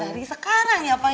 dari sekarang ya pak